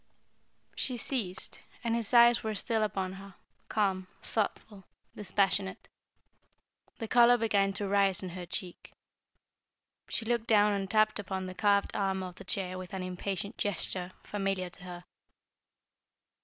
She ceased, and his eyes were still upon her, calm, thoughtful, dispassionate. The colour began to rise in her cheek. She looked down and tapped upon the carved arm of the chair with an impatient gesture familiar to her.